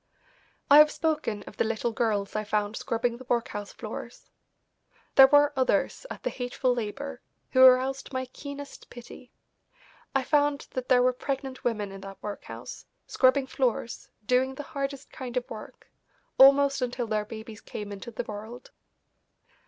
I have spoken of the little girls I found scrubbing the workhouse floors. There were others at the hateful labour who aroused my keenest pity. I found that there were pregnant women in that workhouse, scrubbing floors, doing the hardest kind of work, almost until their babies came into the world.